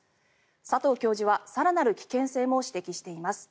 佐藤教授は更なる危険性も指摘しています。